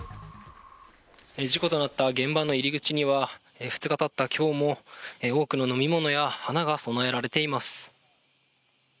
事故となった現場の入り口には２日たった今日も多くの飲み物や花が供えられています。